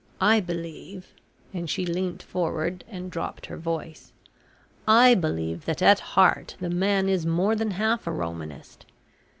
I believe," and she leant forward and dropped her voice, "I believe that at heart the man is more than half a Romanist.